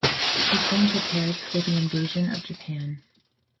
It then prepared for the invasion of Japan.